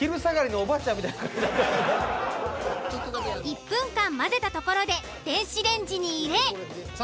１分間混ぜたところで電子レンジに入れ。